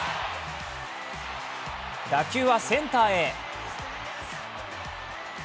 打球はセンターへ。